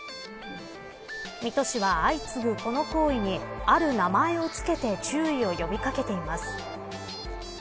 水戸市は、相次ぐこの行為にある名前を付けて注意を呼び掛けています。